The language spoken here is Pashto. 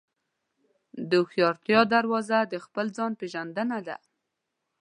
د هوښیارتیا دروازه د خپل ځان پېژندنه ده.